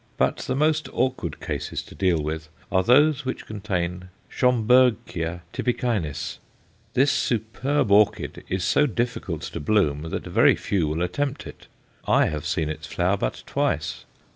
But the most awkward cases to deal with are those which contain Schomburghkia tibicinis. This superb orchid is so difficult to bloom that very few will attempt it; I have seen its flower but twice.